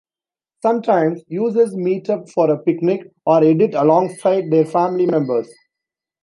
Sometimes, users meet up for a picnic, or edit alongside their family members.